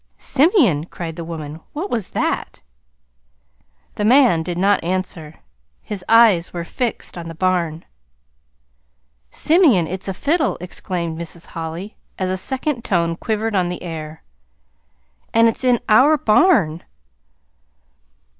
"Simeon!" cried the woman. "What was that?" The man did not answer. His eyes were fixed on the barn. "Simeon, it's a fiddle!" exclaimed Mrs. Holly, as a second tone quivered on the air "And it's in our barn!"